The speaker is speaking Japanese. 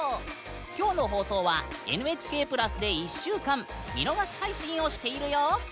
きょうの放送は「ＮＨＫプラス」で１週間見逃し配信をしているよ！